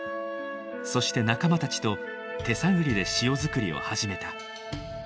そして仲間たちと手探りで塩作りを始めた。